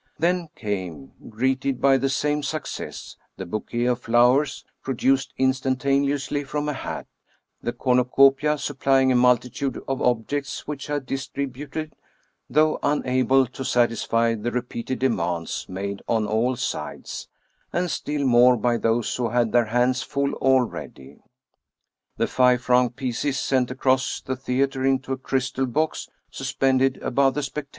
Then came — greeted by the same success — ^the bouquet of flowers, produced instantaneously from a hat ; the cornu copia, supplying a multitude of objects which I distributed, though unable to satisfy the repeated demands made on all sides, and still more by those who had their hands full already; the five franc pieces, sent across the theater into a crystal box suspended above the spectators.